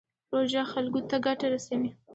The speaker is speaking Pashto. پروژه خلکو ته ګټه رسوي.